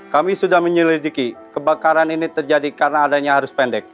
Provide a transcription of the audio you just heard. kami sudah menyelidiki kebakaran ini terjadi karena adanya arus pendek